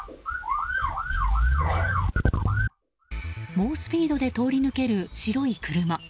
猛スピードで通り抜ける白い車。